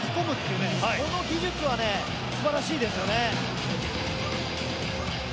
その技術はね素晴らしいですよね。